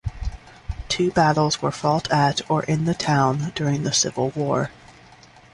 Two battles were fought at or in the town during the Civil War.